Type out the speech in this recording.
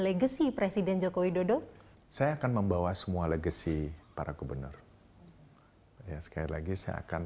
legacy presiden joko widodo saya akan membawa semua legacy para gubernur ya sekali lagi saya akan